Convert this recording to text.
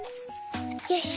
よし。